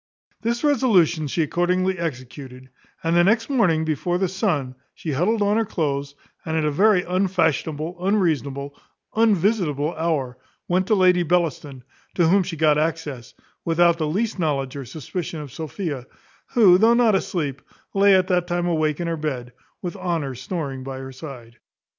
This resolution she accordingly executed; and the next morning before the sun, she huddled on her cloaths, and at a very unfashionable, unseasonable, unvisitable hour, went to Lady Bellaston, to whom she got access, without the least knowledge or suspicion of Sophia, who, though not asleep, lay at that time awake in her bed, with Honour snoring by her side.